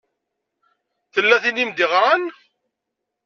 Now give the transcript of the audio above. Tella tin i m-d-iɣṛan?